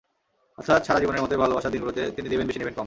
অর্থাৎ, সারা জীবনের মতোই ভালোবাসার দিনগুলোতে তিনি দেবেন বেশি, নেবেন কম।